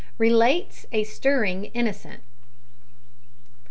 RELATES A STIRRING INNOCENT.